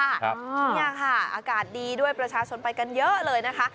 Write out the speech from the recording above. นี่ค่ะอากาศดีด้วยประชาชนไปกันเยอะเลยนะคะ